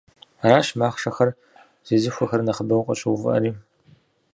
Аращ махъшэхэр зезыхуэхэр нэхъыбэу къыщыувыӏэри.